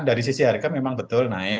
dari sisi harga memang betul naik